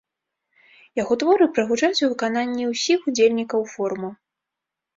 Яго творы прагучаць у выкананні ўсіх удзельнікаў форума.